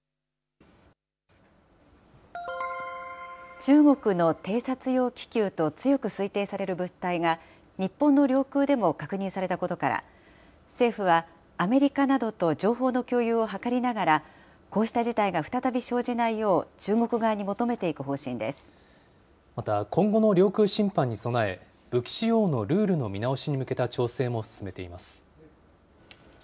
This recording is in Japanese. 中国の偵察用気球と強く推定される物体が、日本の領空でも確認されたことから、政府は、アメリカなどと情報の共有を図りながら、こうした事態が再び生じないよう、中国側に求めていく方針でまた、今後の領空侵犯に備え、武器使用のルールの見直しに向けた調整も進めています。